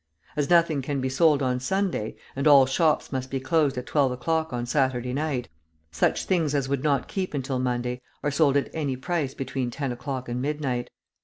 As nothing can be sold on Sunday, and all shops must be closed at twelve o'clock on Saturday night, such things as would not keep until Monday are sold at any price between ten o'clock and midnight.